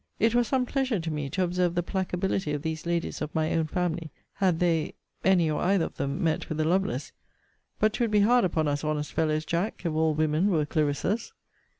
It was some pleasure to me, to observe the placability of these ladies of my own family, had they, any or either of them, met with a LOVELACE. But 'twould be hard upon us honest fellows, Jack, if all women were CLARISSAS.